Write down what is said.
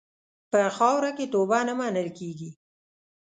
په خاوره کې توبه نه منل کېږي.